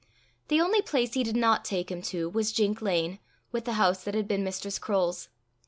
The only place he did not take him to was Jink Lane, with the house that had been Mistress Croale's.